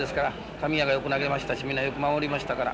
神谷がよく投げましたしみんなよく守りましたから。